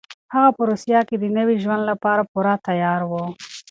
هغه په روسيه کې د نوي ژوند لپاره پوره تيار و.